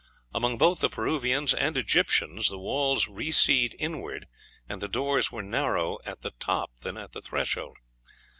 Among both the Peruvians and Egyptians the walls receded inward, and the doors were narrower at the top than at the threshold.